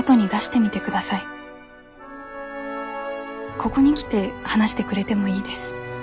ここに来て話してくれてもいいです。